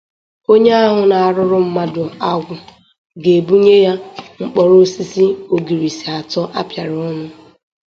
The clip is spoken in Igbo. onye ahụ na-arụrụ mmadụ agwụ gà-egbunye ya mkpọrọ osisi ogirisi atọ a pịara ọnụ